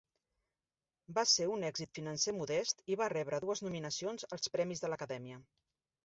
Va ser un èxit financer modest i va rebre dues nominacions als Premis de l'Acadèmia.